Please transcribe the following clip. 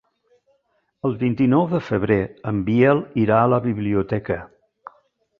El vint-i-nou de febrer en Biel irà a la biblioteca.